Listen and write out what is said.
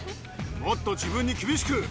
もっと自分に厳しく。